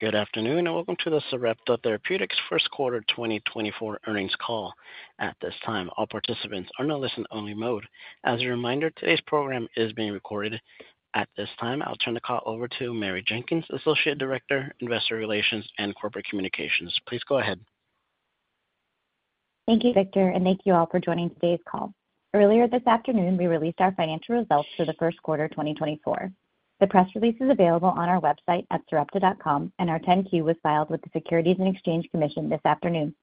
Good afternoon, and welcome to the Sarepta Therapeutics Q1 2024 earnings call. At this time, all participants are now in listen-only mode. As a reminder, today's program is being recorded. At this time, I'll turn the call over to Mary Jenkins, Associate Director, Investor Relations and Corporate Communications. Please go ahead. Thank you, Victor, and thank you all for joining today's call. Earlier this afternoon, we released our financial results for the Q1, 2024. The press release is available on our website at sarepta.com, and our 10-Q was filed with the Securities and Exchange Commission this afternoon.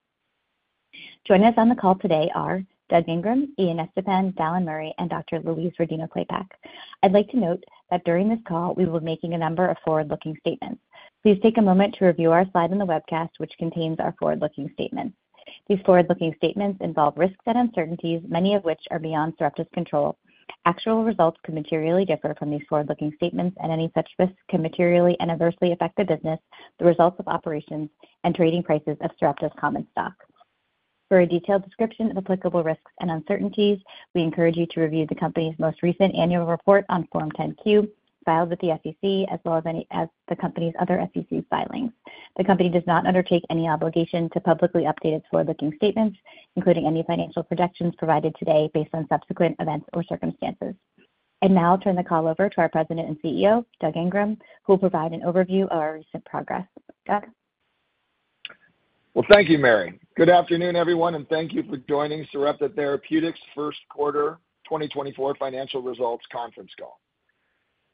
Joining us on the call today are Doug Ingram, Ian Estepan, Dallan Murray, and Dr. Louise Rodino-Klapac. I'd like to note that during this call, we will be making a number of forward-looking statements. Please take a moment to review our slide on the webcast, which contains our forward-looking statements. These forward-looking statements involve risks and uncertainties, many of which are beyond Sarepta's control. Actual results could materially differ from these forward-looking statements, and any such risks can materially and adversely affect the business, the results of operations, and trading prices of Sarepta's common stock. For a detailed description of applicable risks and uncertainties, we encourage you to review the company's most recent annual report on Form 10-Q, filed with the SEC, as well as the company's other SEC filings. The company does not undertake any obligation to publicly update its forward-looking statements, including any financial projections provided today based on subsequent events or circumstances. And now I'll turn the call over to our President and CEO, Doug Ingram, who will provide an overview of our recent progress. Doug? Well, thank you, Mary. Good afternoon, everyone, and thank you for joining Sarepta Therapeutics' Q1 2024 financial results conference call.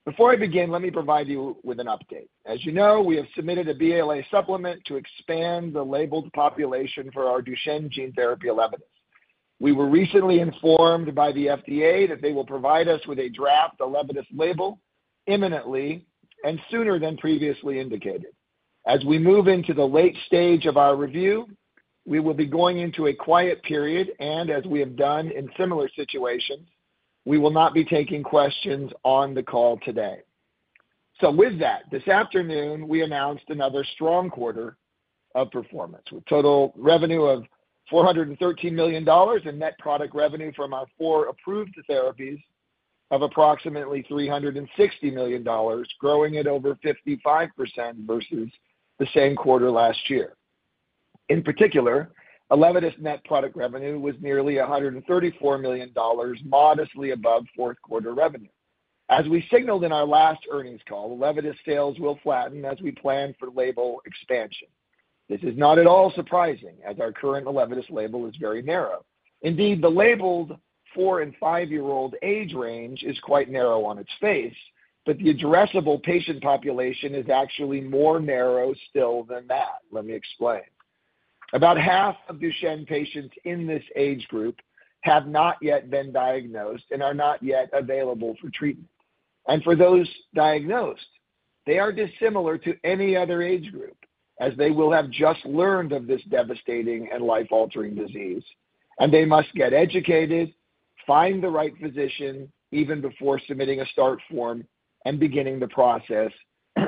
Before I begin, let me provide you with an update. As you know, we have submitted a BLA supplement to expand the labeled population for our Duchenne gene therapy ELEVIDYS. We were recently informed by the FDA that they will provide us with a draft ELEVIDYS label imminently and sooner than previously indicated. As we move into the late stage of our review, we will be going into a quiet period, and as we have done in similar situations, we will not be taking questions on the call today. So with that, this afternoon, we announced another strong quarter of performance, with total revenue of $413 million and net product revenue from our four approved therapies of approximately $360 million, growing at over 55% versus the same quarter last year. In particular, ELEVIDYS net product revenue was nearly $134 million, modestly above Q4 revenue. As we signaled in our last earnings call, ELEVIDYS sales will flatten as we plan for label expansion. This is not at all surprising, as our current ELEVIDYS label is very narrow. Indeed, the labeled 4- and 5-year-old age range is quite narrow on its face, but the addressable patient population is actually more narrow still than that. Let me explain. About half of Duchenne patients in this age group have not yet been diagnosed and are not yet available for treatment. For those diagnosed, they are dissimilar to any other age group, as they will have just learned of this devastating and life-altering disease, and they must get educated, find the right physician, even before submitting a start form and beginning the process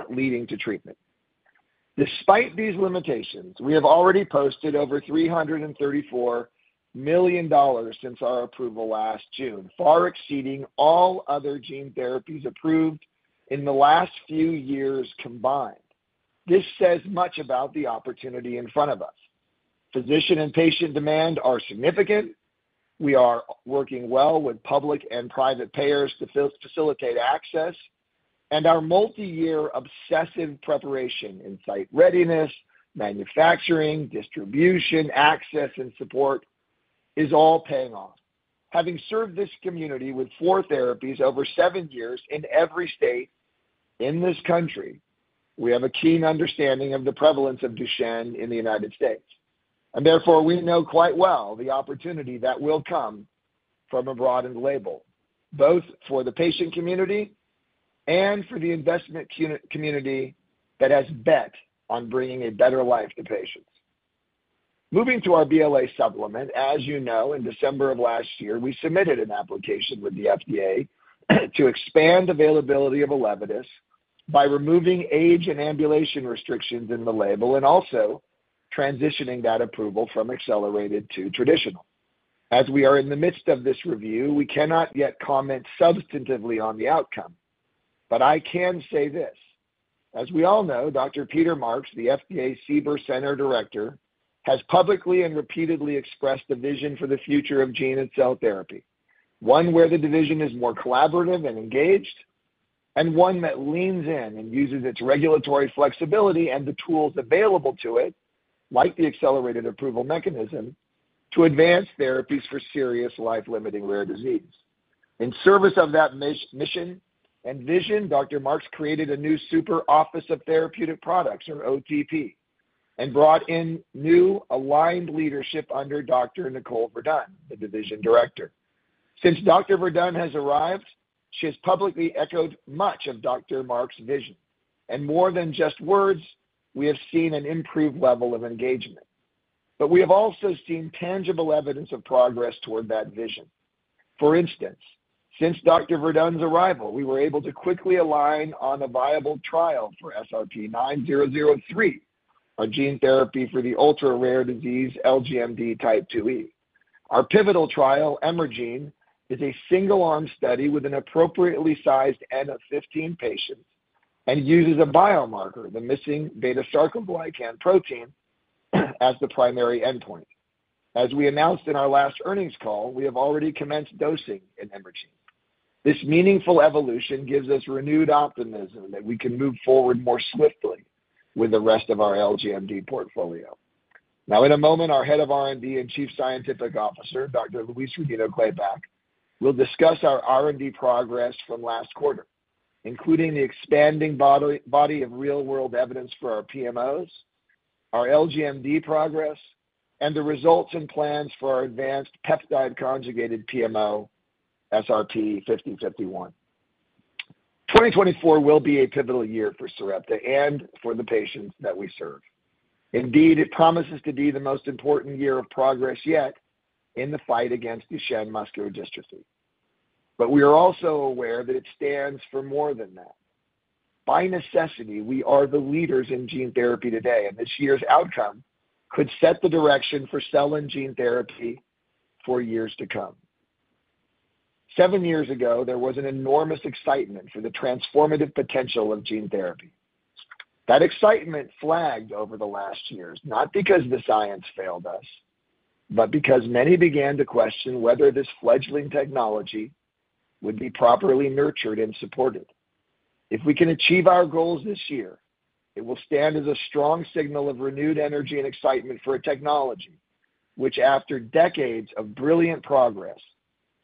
leading to treatment. Despite these limitations, we have already posted over $334 million since our approval last June, far exceeding all other gene therapies approved in the last few years combined. This says much about the opportunity in front of us. Physician and patient demand are significant. We are working well with public and private payers to facilitate access, and our multiyear obsessive preparation in site readiness, manufacturing, distribution, access, and support is all paying off. Having served this community with four therapies over seven years in every state in this country, we have a keen understanding of the prevalence of Duchenne in the United States. Therefore, we know quite well the opportunity that will come from a broadened label, both for the patient community and for the investment community that has bet on bringing a better life to patients. Moving to our BLA supplement, as you know, in December of last year, we submitted an application with the FDA to expand availability of ELEVIDYS by removing age and ambulation restrictions in the label and also transitioning that approval from accelerated to traditional. As we are in the midst of this review, we cannot yet comment substantively on the outcome, but I can say this: As we all know, Dr. Peter Marks, the FDA CBER center director, has publicly and repeatedly expressed the vision for the future of gene and cell therapy, one where the division is more collaborative and engaged, and one that leans in and uses its regulatory flexibility and the tools available to it, like the accelerated approval mechanism, to advance therapies for serious, life-limiting rare disease. In service of that mission and vision, Dr. Marks created a new Super Office of Therapeutic Products, or OTP, and brought in new aligned leadership under Dr. Nicole Verdun, the division director. Since Dr. Verdun has arrived, she has publicly echoed much of Dr. Marks' vision, and more than just words, we have seen an improved level of engagement. But we have also seen tangible evidence of progress toward that vision. For instance, since Dr. Verdun's arrival, we were able to quickly align on a viable trial for SRP-9003-... Our gene therapy for the ultra-rare disease, LGMD Type 2E. Our pivotal trial, EMERGENE, is a single-arm study with an appropriately sized N of 15 patients and uses a biomarker, the missing beta-sarcoglycan protein, as the primary endpoint. As we announced in our last earnings call, we have already commenced dosing in EMERGENE. This meaningful evolution gives us renewed optimism that we can move forward more swiftly with the rest of our LGMD portfolio. Now, in a moment, our Head of R&D and Chief Scientific Officer, Dr. Louise Rodino-Klapac, will discuss our R&D progress from last quarter, including the expanding body of real-world evidence for our PMOs, our LGMD progress, and the results and plans for our advanced peptide-conjugated PMO, SRP-5051. 2024 will be a pivotal year for Sarepta and for the patients that we serve. Indeed, it promises to be the most important year of progress yet in the fight against Duchenne muscular dystrophy. But we are also aware that it stands for more than that. By necessity, we are the leaders in gene therapy today, and this year's outcome could set the direction for cell and gene therapy for years to come. Seven years ago, there was an enormous excitement for the transformative potential of gene therapy. That excitement flagged over the last years, not because the science failed us, but because many began to question whether this fledgling technology would be properly nurtured and supported. If we can achieve our goals this year, it will stand as a strong signal of renewed energy and excitement for a technology, which after decades of brilliant progress,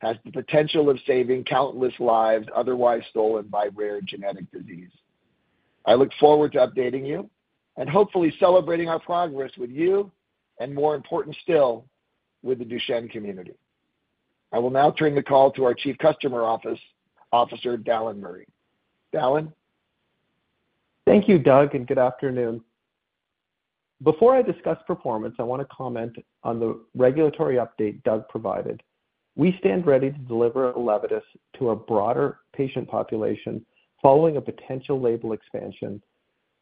has the potential of saving countless lives otherwise stolen by rare genetic disease. I look forward to updating you and hopefully celebrating our progress with you, and more important still, with the Duchenne community. I will now turn the call to our Chief Customer Officer, Dallan Murray. Dallan? Thank you, Doug, and good afternoon. Before I discuss performance, I wanna comment on the regulatory update Doug provided. We stand ready to deliver ELEVIDYS to a broader patient population following a potential label expansion.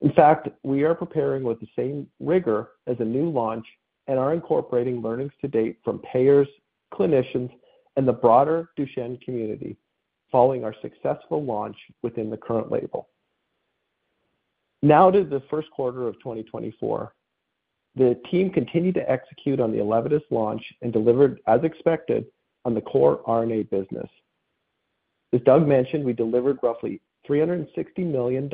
In fact, we are preparing with the same rigor as a new launch and are incorporating learnings to date from payers, clinicians, and the broader Duchenne community, following our successful launch within the current label. Now to the Q1 of 2024. The team continued to execute on the ELEVIDYS launch and delivered as expected on the core RNA business. As Doug mentioned, we delivered roughly $360 million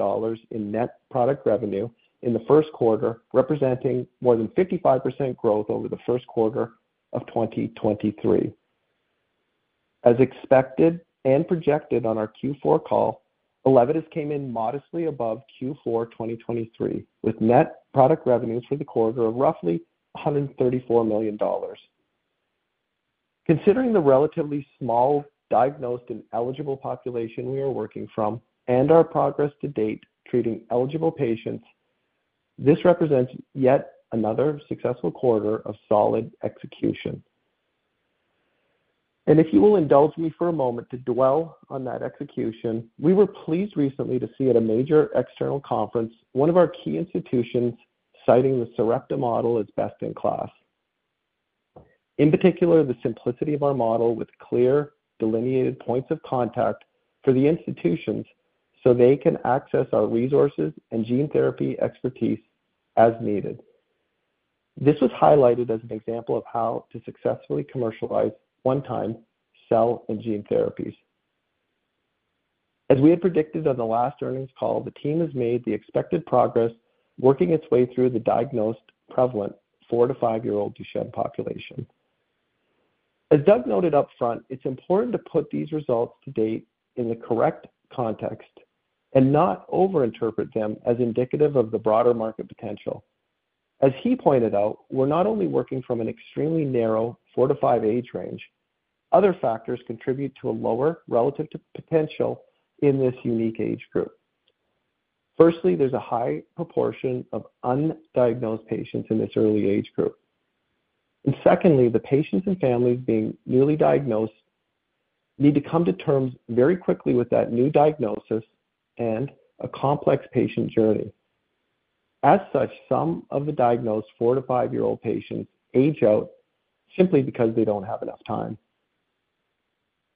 in net product revenue in the Q1, representing more than 55% growth over the Q1 of 2023. As expected and projected on our Q4 call, ELEVIDYS came in modestly above Q4 2023, with net product revenues for the quarter of roughly $134 million. Considering the relatively small diagnosed and eligible population we are working from and our progress to date treating eligible patients, this represents yet another successful quarter of solid execution. And if you will indulge me for a moment to dwell on that execution, we were pleased recently to see at a major external conference, one of our key institutions citing the Sarepta model as best-in-class. In particular, the simplicity of our model with clear, delineated points of contact for the institutions, so they can access our resources and gene therapy expertise as needed. This was highlighted as an example of how to successfully commercialize one-time cell and gene therapies. As we had predicted on the last earnings call, the team has made the expected progress, working its way through the diagnosed prevalent 4-5-year-old Duchenne population. As Doug noted up front, it's important to put these results to date in the correct context and not overinterpret them as indicative of the broader market potential. As he pointed out, we're not only working from an extremely narrow 4-5 age range, other factors contribute to a lower relative to potential in this unique age group. Firstly, there's a high proportion of undiagnosed patients in this early age group. Secondly, the patients and families being newly diagnosed need to come to terms very quickly with that new diagnosis and a complex patient journey. As such, some of the diagnosed 4-5-year-old patients age out simply because they don't have enough time.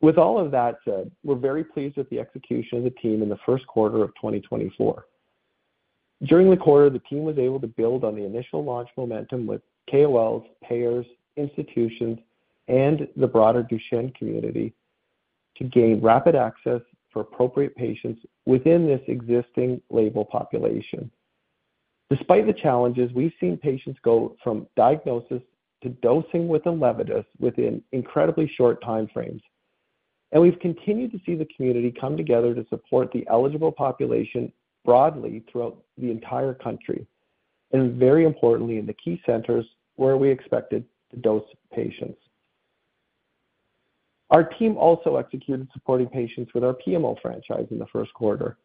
With all of that said, we're very pleased with the execution of the team in the Q1 of 2024. During the quarter, the team was able to build on the initial launch momentum with KOLs, payers, institutions, and the broader Duchenne community to gain rapid access for appropriate patients within this existing label population. Despite the challenges, we've seen patients go from diagnosis to dosing with ELEVIDYS within incredibly short time frames. We've continued to see the community come together to support the eligible population broadly throughout the entire country, and very importantly, in the key centers where we expected to dose patients. Our team also executed supporting patients with our PMO franchise in the Q1.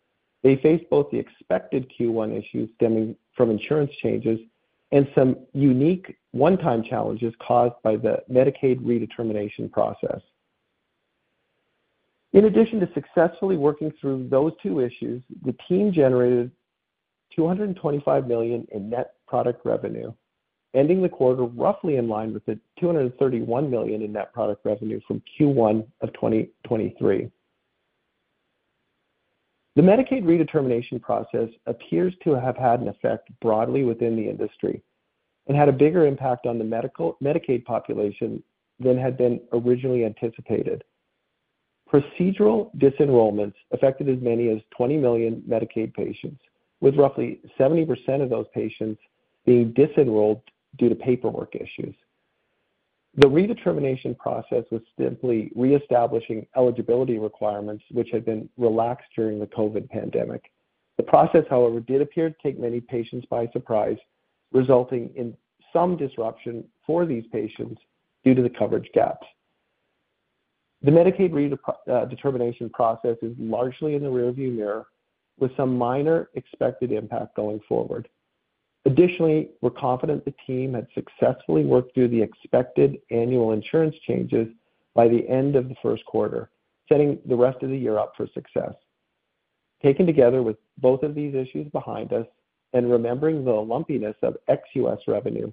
They faced both the expected Q1 issues stemming from insurance changes and some unique one-time challenges caused by the Medicaid redetermination process. In addition to successfully working through those two issues, the team generated $225 million in net product revenue, ending the quarter roughly in line with the $231 million in net product revenue from Q1 of 2023. The Medicaid redetermination process appears to have had an effect broadly within the industry and had a bigger impact on the medically Medicaid population than had been originally anticipated. Procedural disenrollments affected as many as 20 million Medicaid patients, with roughly 70% of those patients being disenrolled due to paperwork issues. The redetermination process was simply reestablishing eligibility requirements, which had been relaxed during the COVID pandemic. The process, however, did appear to take many patients by surprise, resulting in some disruption for these patients due to the coverage gaps. The Medicaid redetermination process is largely in the rearview mirror, with some minor expected impact going forward. Additionally, we're confident the team had successfully worked through the expected annual insurance changes by the end of the Q1, setting the rest of the year up for success. Taken together with both of these issues behind us and remembering the lumpiness of ex-US revenue,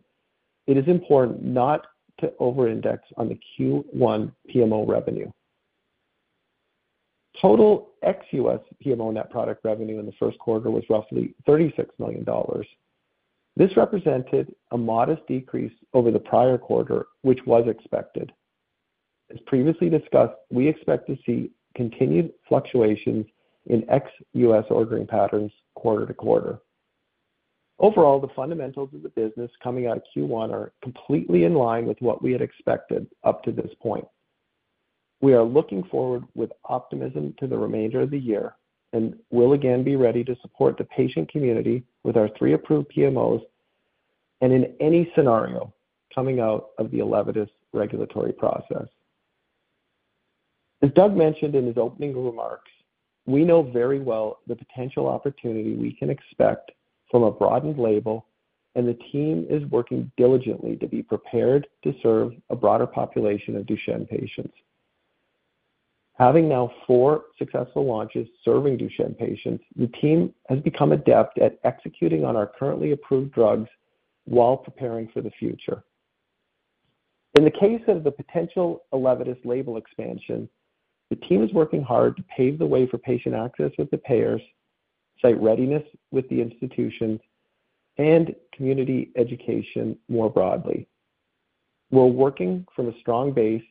it is important not to over-index on the Q1 PMO revenue. Total ex-US PMO net product revenue in the Q1 was roughly $36 million. This represented a modest decrease over the prior quarter, which was expected. As previously discussed, we expect to see continued fluctuations in ex-US ordering patterns quarter to quarter. Overall, the fundamentals of the business coming out of Q1 are completely in line with what we had expected up to this point. We are looking forward with optimism to the remainder of the year, and we'll again be ready to support the patient community with our three approved PMOs and in any scenario coming out of the ELEVIDYS regulatory process. As Doug mentioned in his opening remarks, we know very well the potential opportunity we can expect from a broadened label, and the team is working diligently to be prepared to serve a broader population of Duchenne patients. Having now four successful launches serving Duchenne patients, the team has become adept at executing on our currently approved drugs while preparing for the future. In the case of the potential ELEVIDYS label expansion, the team is working hard to pave the way for patient access with the payers, site readiness with the institutions, and community education more broadly. We're working from a strong base,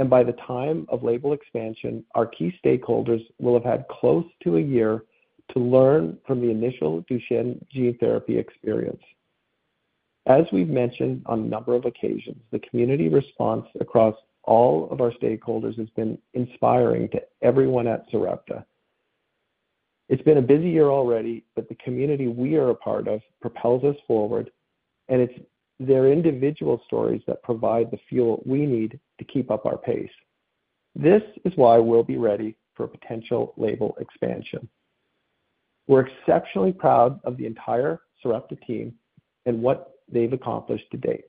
and by the time of label expansion, our key stakeholders will have had close to a year to learn from the initial Duchenne gene therapy experience. As we've mentioned on a number of occasions, the community response across all of our stakeholders has been inspiring to everyone at Sarepta. It's been a busy year already, but the community we are a part of propels us forward, and it's their individual stories that provide the fuel we need to keep up our pace. This is why we'll be ready for potential label expansion. We're exceptionally proud of the entire Sarepta team and what they've accomplished to date,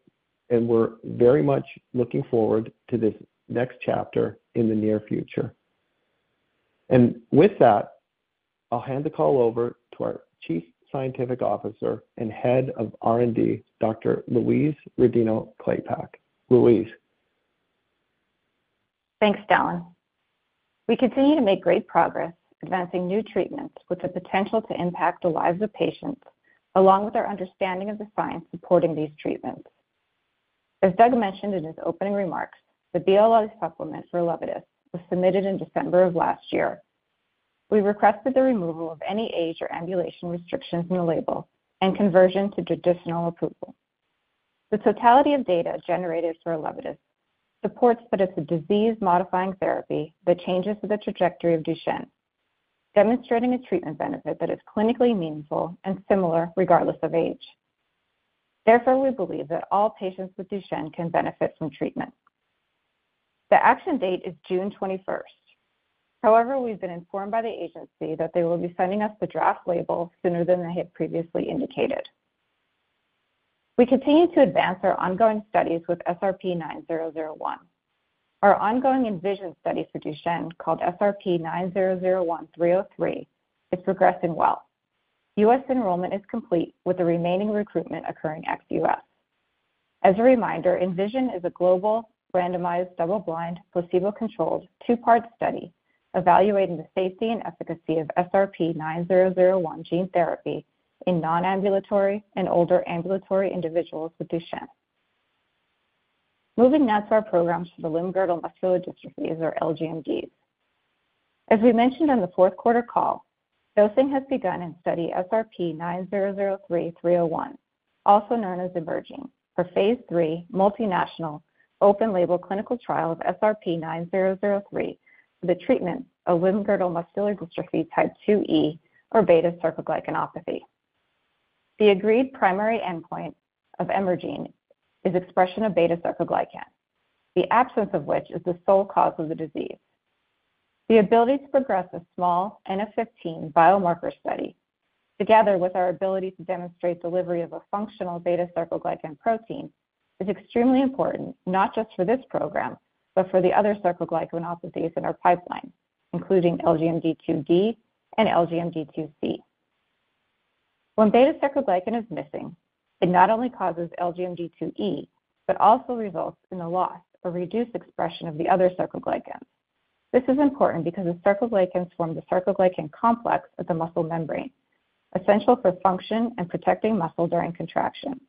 and we're very much looking forward to this next chapter in the near future. And with that, I'll hand the call over to our Chief Scientific Officer and Head of R&D, Dr. Louise Rodino-Klapac. Louise? Thanks, Dallan. We continue to make great progress advancing new treatments with the potential to impact the lives of patients, along with our understanding of the science supporting these treatments. As Doug mentioned in his opening remarks, the BLA supplement for ELEVIDYS was submitted in December of last year. We requested the removal of any age or ambulation restrictions in the label and conversion to traditional approval. The totality of data generated for ELEVIDYS supports that it's a disease-modifying therapy that changes the trajectory of Duchenne, demonstrating a treatment benefit that is clinically meaningful and similar, regardless of age. Therefore, we believe that all patients with Duchenne can benefit from treatment. The action date is June twenty-first. However, we've been informed by the agency that they will be sending us the draft label sooner than they had previously indicated. We continue to advance our ongoing studies with SRP-9001. Our ongoing ENVISION study for Duchenne, called SRP-9001-303, is progressing well. U.S. enrollment is complete, with the remaining recruitment occurring ex-U.S. As a reminder, ENVISION is a global randomized, double-blind, placebo-controlled, two-part study evaluating the safety and efficacy of SRP-9001 gene therapy in non-ambulatory and older ambulatory individuals with Duchenne. Moving now to our programs for the limb-girdle muscular dystrophies, or LGMDs. As we mentioned on the Q4 call, dosing has begun in study SRP-9003-301, also known as EMERGENE, for Phase III multinational open label clinical trial of SRP-9003 for the treatment of limb-girdle muscular dystrophy type 2E, or beta-sarcoglycanopathy. The agreed primary endpoint of EMERGENE is expression of beta-sarcoglycan, the absence of which is the sole cause of the disease. The ability to progress a small N of 15 biomarker study together with our ability to demonstrate delivery of a functional beta-sarcoglycan protein, is extremely important, not just for this program, but for the other sarcoglycanopathies in our pipeline, including LGMD2D and LGMD2C. When beta-sarcoglycan is missing, it not only causes LGMD2E, but also results in the loss or reduced expression of the other sarcoglycans. This is important because the sarcoglycans form the sarcoglycan complex of the muscle membrane, essential for function and protecting muscle during contraction.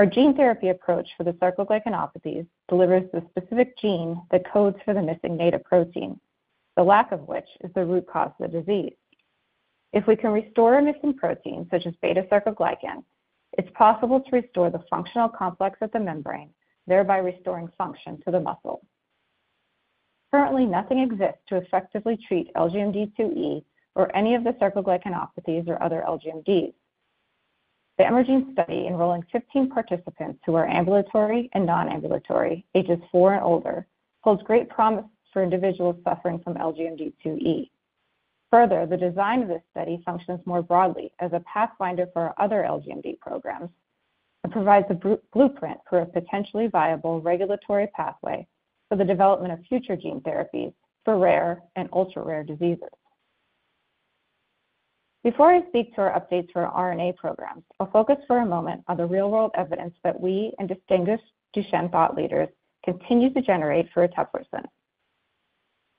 Our gene therapy approach for the sarcoglycanopathies delivers the specific gene that codes for the missing native protein, the lack of which is the root cause of the disease. If we can restore a missing protein, such as beta-sarcoglycan, it's possible to restore the functional complex at the membrane, thereby restoring function to the muscle. Currently, nothing exists to effectively treat LGMD2E or any of the sarcoglycanopathies or other LGMDs. The emerging study, enrolling 15 participants who are ambulatory and non-ambulatory, ages 4 and older, holds great promise for individuals suffering from LGMD2E. Further, the design of this study functions more broadly as a pathfinder for our other LGMD programs and provides a blueprint for a potentially viable regulatory pathway for the development of future gene therapies for rare and ultra-rare diseases. Before I speak to our updates for our RNA program, I'll focus for a moment on the real-world evidence that we and distinguished Duchenne thought leaders continue to generate for eteplirsen.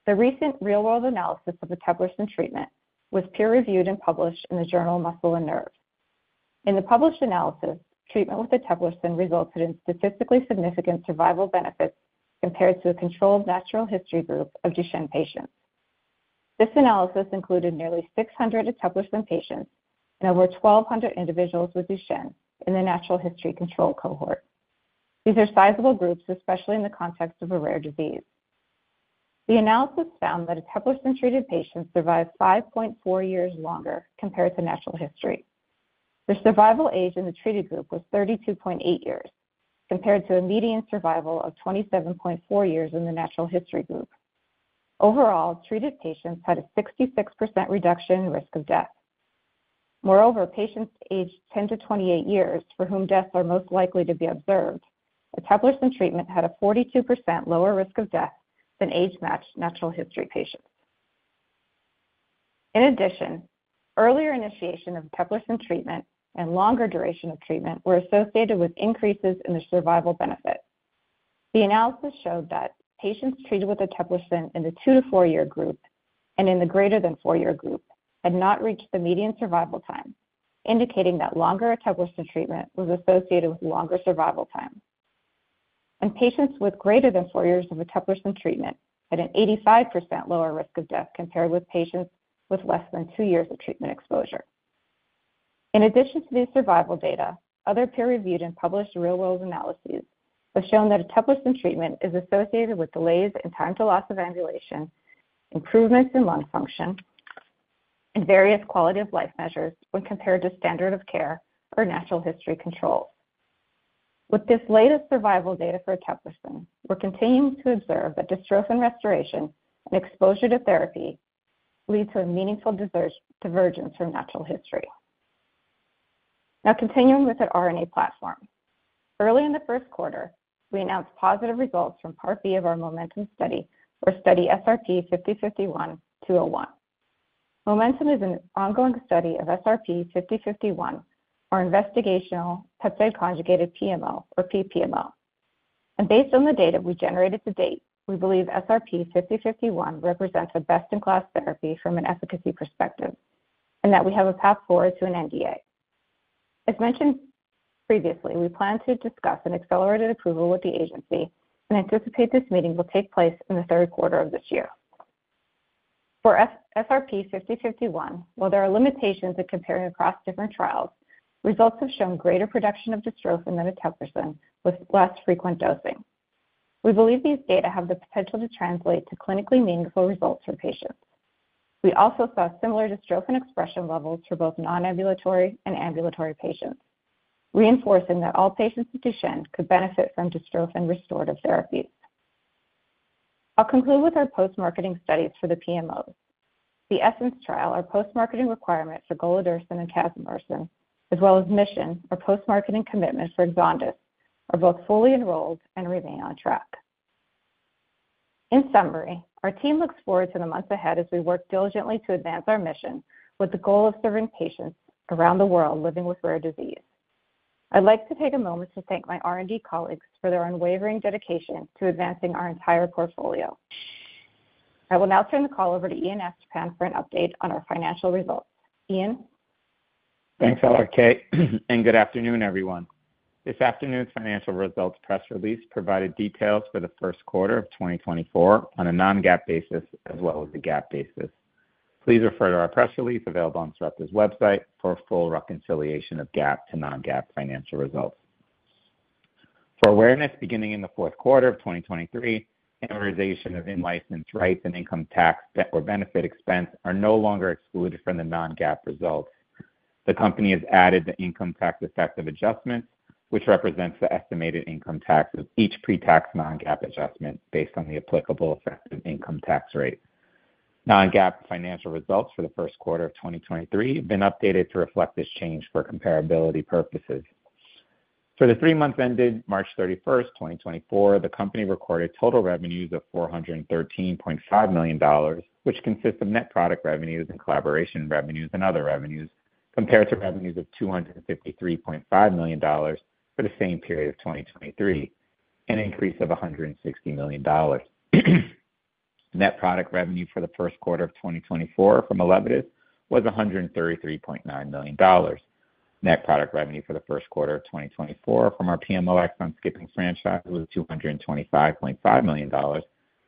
The recent real-world analysis of eteplirsen treatment was peer-reviewed and published in the journal Muscle and Nerve. In the published analysis, treatment with eteplirsen resulted in statistically significant survival benefits compared to a controlled natural history group of Duchenne patients. This analysis included nearly 600 eteplirsen patients and over 1,200 individuals with Duchenne in the natural history control cohort. These are sizable groups, especially in the context of a rare disease. The analysis found that eteplirsen-treated patients survived 5.4 years longer compared to natural history. The survival age in the treated group was 32.8 years, compared to a median survival of 27.4 years in the natural history group. Overall, treated patients had a 66% reduction in risk of death. Moreover, patients aged 10-28 years, for whom deaths are most likely to be observed, eteplirsen treatment had a 42% lower risk of death than age-matched natural history patients. In addition, earlier initiation of eteplirsen treatment and longer duration of treatment were associated with increases in the survival benefit. The analysis showed that patients treated with eteplirsen in the 2-4-year group and in the >4-year group had not reached the median survival time, indicating that longer eteplirsen treatment was associated with longer survival time. Patients with >4 years of eteplirsen treatment had an 85% lower risk of death compared with patients with <2 years of treatment exposure. In addition to these survival data, other peer-reviewed and published real-world analyses have shown that eteplirsen treatment is associated with delays in time to loss of ambulation, improvements in lung function, and various quality of life measures when compared to standard of care or natural history controls. With this latest survival data for eteplirsen, we're continuing to observe that dystrophin restoration and exposure to therapy lead to a meaningful divergence from natural history. Now, continuing with our RNA platform. Early in the Q1, we announced positive results from part B of our MOMENTUM study, or study SRP-5051-201. MOMENTUM is an ongoing study of SRP-5051, our investigational peptide conjugated PMO or PPMO. Based on the data we generated to date, we believe SRP-5051 represents a best-in-class therapy from an efficacy perspective, and that we have a path forward to an NDA. As mentioned previously, we plan to discuss an accelerated approval with the agency and anticipate this meeting will take place in the Q3 of this year. For SRP-5051, while there are limitations in comparing across different trials, results have shown greater production of dystrophin than eteplirsen, with less frequent dosing. We believe these data have the potential to translate to clinically meaningful results for patients. We also saw similar dystrophin expression levels for both non-ambulatory and ambulatory patients, reinforcing that all patients with Duchenne could benefit from dystrophin restorative therapies. I'll conclude with our post-marketing studies for the PMOs. The ESSENCE trial, our post-marketing requirement for golodirsen and casimersen, as well as MISSION, our post-marketing commitment for EXONDYS, are both fully enrolled and remain on track. In summary, our team looks forward to the months ahead as we work diligently to advance our mission with the goal of serving patients around the world living with rare disease. I'd like to take a moment to thank my R&D colleagues for their unwavering dedication to advancing our entire portfolio. I will now turn the call over to Ian Estepan for an update on our financial results. Ian? Thanks, LRK, and good afternoon, everyone. This afternoon's financial results press release provided details for the Q1 of 2024 on a non-GAAP basis, as well as a GAAP basis. Please refer to our press release, available on Sarepta's website, for a full reconciliation of GAAP to non-GAAP financial results. For awareness, beginning in the Q4 of 2023, amortization of in-license rights and income tax or benefit expense are no longer excluded from the non-GAAP results. The company has added the income tax effective adjustments which represents the estimated income taxes, each pre-tax non-GAAP adjustment based on the applicable effective income tax rate. Non-GAAP financial results for the Q1 of 2023 have been updated to reflect this change for comparability purposes. For the three months ended March 31st, 2024, the company recorded total revenues of $413.5 million, which consists of net product revenues and collaboration revenues and other revenues, compared to revenues of $253.5 million for the same period of 2023, an increase of $160 million. Net product revenue for the Q1 of 2024 from ELEVIDYS was $133.9 million. Net product revenue for the Q1 of 2024 from our PMO exon-skipping franchise was $225.5 million,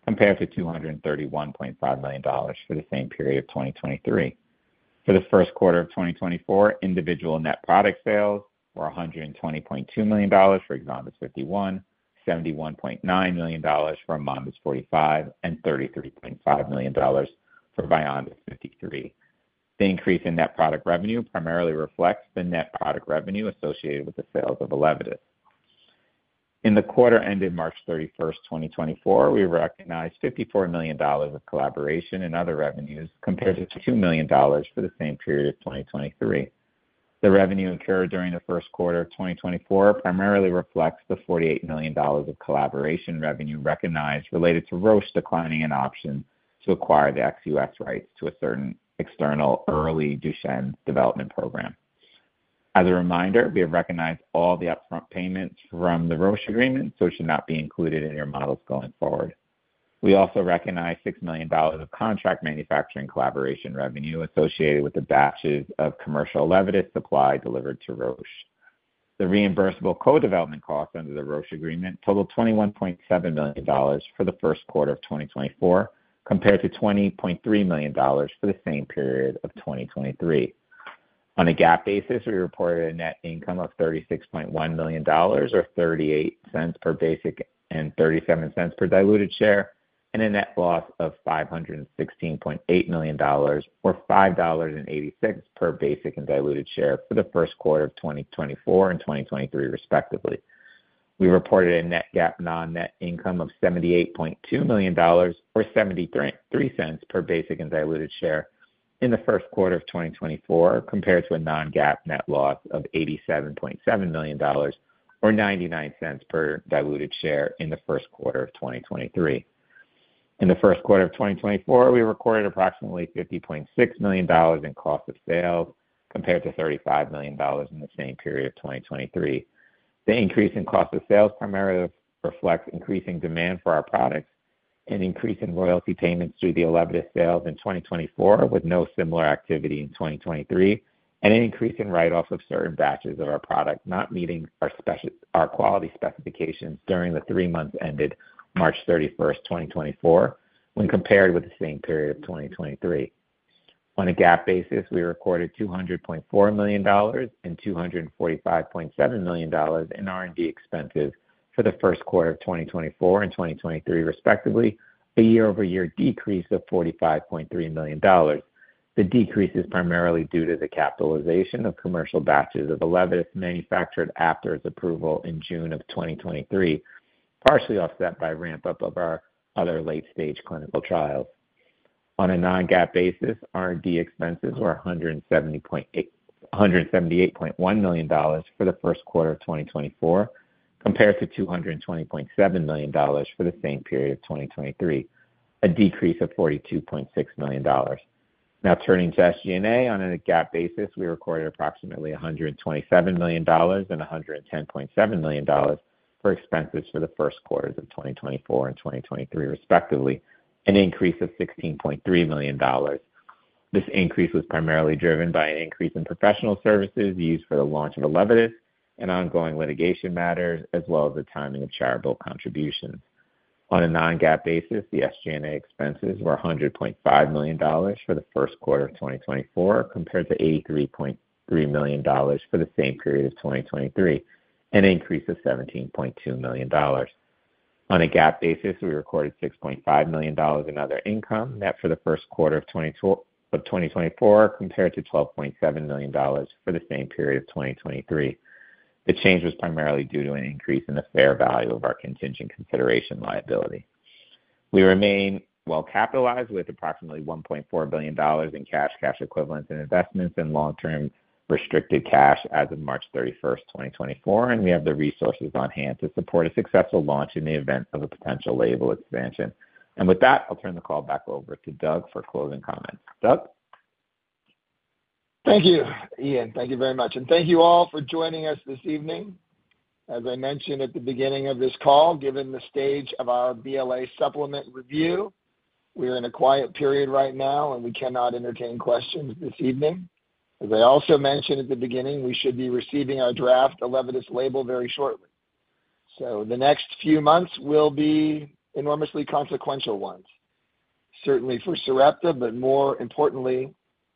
compared to $231.5 million for the same period of 2023. For the Q1 of 2024, individual net product sales were $120.2 million for EXONDYS 51, $71.9 million for AMONDYS 45, and $33.5 million for VYONDYS 53. The increase in net product revenue primarily reflects the net product revenue associated with the sales of ELEVIDYS. In the quarter ended March 31, 2024, we recognized $54 million of collaboration and other revenues, compared to $2 million for the same period of 2023. The revenue incurred during the Q1 of 2024 primarily reflects the $48 million of collaboration revenue recognized related to Roche declining an option to acquire the ex-US rights to a certain external early Duchenne development program. As a reminder, we have recognized all the upfront payments from the Roche Agreement, so it should not be included in your models going forward. We also recognize $6 million of contract manufacturing collaboration revenue associated with the batches of commercial ELEVIDYS supply delivered to Roche. The reimbursable co-development costs under the Roche Agreement totaled $21.7 million for the Q1 of 2024, compared to $20.3 million for the same period of 2023. On a GAAP basis, we reported a net income of $36.1 million, or $0.38 per basic and $0.37 per diluted share, and a net loss of $516.8 million, or $5.86 per basic and diluted share for the Q1 of 2024 and 2023, respectively. We reported a net GAAP net income of $78.2 million, or $0.733 per basic and diluted share in the Q1 of 2024, compared to a non-GAAP net loss of $87.7 million, or $0.99 per diluted share in the Q1 of 2023. In the Q1 of 2024, we recorded approximately $50.6 million in cost of sales, compared to $35 million in the same period of 2023. The increase in cost of sales primarily reflects increasing demand for our products, an increase in royalty payments through the ELEVIDYS sales in 2024, with no similar activity in 2023, and an increase in write-off of certain batches of our product, not meeting our quality specifications during the three months ended March 31, 2024, when compared with the same period of 2023. On a GAAP basis, we recorded $200.4 million and $245.7 million in R&D expenses for the Q1 of 2024 and 2023, respectively, a year-over-year decrease of $45.3 million. The decrease is primarily due to the capitalization of commercial batches of ELEVIDYS manufactured after its approval in June of 2023, partially offset by ramp-up of our other late-stage clinical trials. On a non-GAAP basis, R&D expenses were $178.1 million for the Q1 of 2024, compared to $220.7 million for the same period of 2023, a decrease of $42.6 million. Now, turning to SG&A. On a GAAP basis, we recorded approximately $127 million and $110.7 million for expenses for the Q1s of 2024 and 2023, respectively, an increase of $16.3 million. This increase was primarily driven by an increase in professional services used for the launch of ELEVIDYS and ongoing litigation matters, as well as the timing of charitable contributions. On a non-GAAP basis, the SG&A expenses were $100.5 million for the Q1 of 2024, compared to $83.3 million for the same period of 2023, an increase of $17.2 million. On a GAAP basis, we recorded $6.5 million in other income net for the Q1 of 2024, compared to $12.7 million for the same period of 2023. The change was primarily due to an increase in the fair value of our contingent consideration liability. We remain well-capitalized with approximately $1.4 billion in cash, cash equivalents in investments in long-term restricted cash as of March 31, 2024, and we have the resources on hand to support a successful launch in the event of a potential label expansion. With that, I'll turn the call back over to Doug for closing comments. Doug? Thank you, Ian. Thank you very much, and thank you all for joining us this evening. As I mentioned at the beginning of this call, given the stage of our BLA supplement review, we are in a quiet period right now, and we cannot entertain questions this evening. As I also mentioned at the beginning, we should be receiving our draft ELEVIDYS label very shortly. So the next few months will be enormously consequential ones, certainly for Sarepta, but more importantly,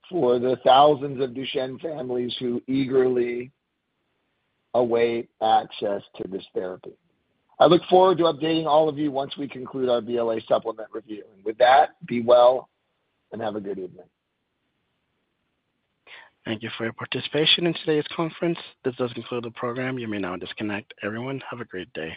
for the thousands of Duchenne families who eagerly await access to this therapy. I look forward to updating all of you once we conclude our BLA supplement review. And with that, be well and have a good evening. Thank you for your participation in today's conference. This does conclude the program. You may now disconnect. Everyone, have a great day.